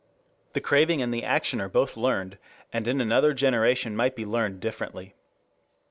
The craving and the action are both learned, and in another generation might be learned differently.